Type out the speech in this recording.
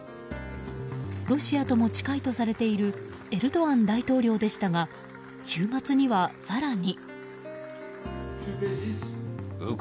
ロシアとも近いとされているエルドアン大統領でしたが週末には更に。